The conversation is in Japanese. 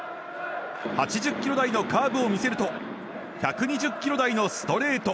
８０キロ台のカーブを見せると１２０キロ台のストレート。